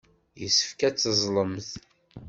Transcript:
Yessefk ad teẓẓlemt.